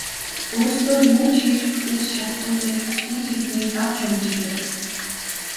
Өөрсдөө юу ч хийж бүтээж чадахгүй байж бусдын хийснийг зад шүүмжилдэг.